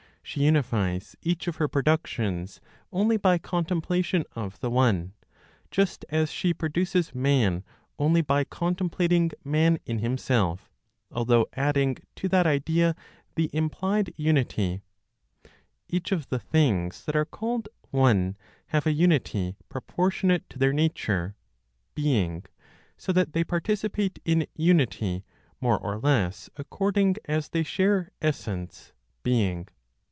She unifies each of her productions only by contemplation of the One, just as she produces man only by contemplating Man in himself, although adding to that idea the implied unity. Each of the things that are called "one" have a unity proportionate to their nature ("being"); so that they participate in unity more or less according as they share essence (being).